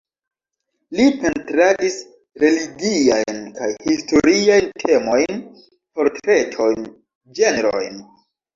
Li pentradis religiajn kaj historiajn temojn, portretojn, ĝenrojn.